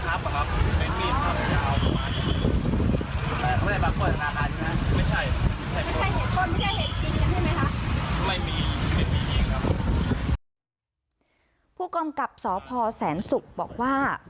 ใช่ไหมครับไม่มีไม่มีเองครับผู้กรรมกรับสพแสนสุกบอกว่า